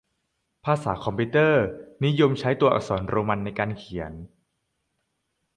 ภาษาคอมพิวเตอร์ นิยมใช้ตัวอักษรโรมันในการเขียน